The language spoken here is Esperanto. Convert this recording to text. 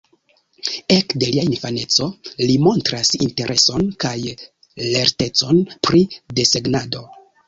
Ekde lia infaneco, li montras intereson kaj lertecon pri desegnado.